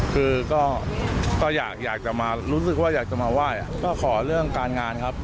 คือก็อยากจะมารู้สึกว่าอยากจะมาไหว้ก็ขอเรื่องการงานครับ